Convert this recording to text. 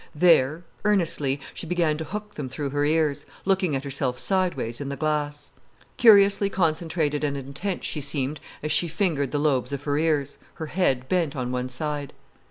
There, earnestly, she began to hook them through her ears, looking at herself sideways in the glass. Curiously concentrated and intent she seemed as she fingered the lobes of her ears, her head bent on one side.